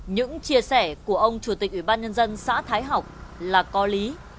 những chia sẻ của ông chủ tịch ủy ban nhân dân xã thái học là có lý